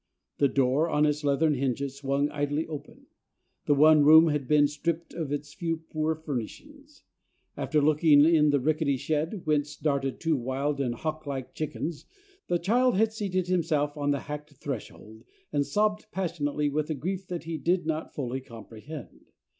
The door, on its leathern hinges, swung idly open. The one room had been stripped of its few poor furnishings. After looking in the rickety shed, whence darted two wild and hawklike chickens, the child had seated himself on the hacked threshold, and sobbed passionately with a grief that he did not fully comprehend.